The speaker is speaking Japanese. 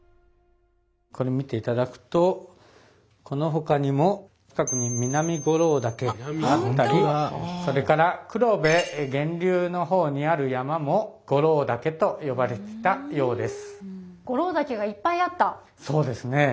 これ見ていただくとこのほかにも近くに南五六岳があったりそれから黒部源流の方にある山もゴロウ岳と呼ばれてたようです。